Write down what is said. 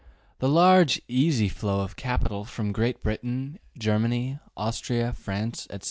The large, easy flow of capital from Great Britain, Germany, Austria, France, etc.